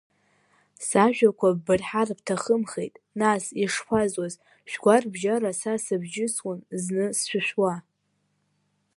Сажәақәа ббырҳар бҭахымхеит, нас, ишԥазуаз, шәгәарабжьара са сыбжьысуан зны сшәышәуа.